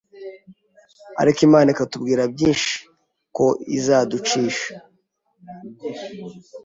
ariko Imana ikatubwira byinshi ko izaducisha